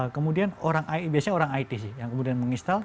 kemudian biasanya orang it sih yang kemudian menginstal